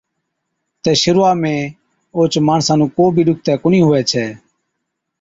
تہ شرُوعا ۾ اوهچ ماڻسا نُون ڪو بِي ڏُکتَي ڪونهِي هُوَي ڇَي۔